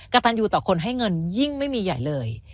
กระตันยูต่อคนให้เงินยิ่งไม่มีใหญ่เลย